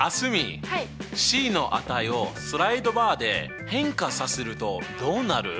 ｃの値をスライドバーで変化させるとどうなる？